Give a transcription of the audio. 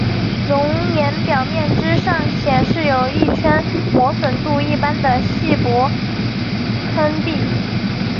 熔岩表面之上显示有一圈磨损度一般的细薄坑壁。